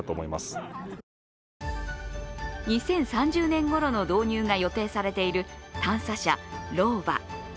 ２０３０年ごろの導入が予定されている探査車ローバ。